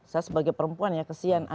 saya sebagai perempuan ya kesian